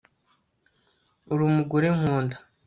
Uri umugore nkunda